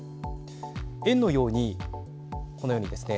円のように、このようにですね